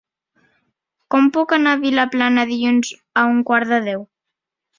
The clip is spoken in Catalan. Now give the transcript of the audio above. Com puc anar a Vilaplana dilluns a un quart de deu?